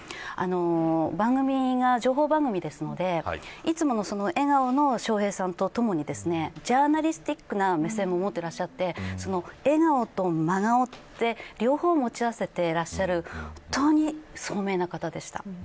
番組が情報番組だったのでいつもの笑顔の笑瓶さんとともにジャーナリスティックな面も持っていて笑顔と真顔の両方を持ち合わせていらっしゃる本当に聡明な方でした。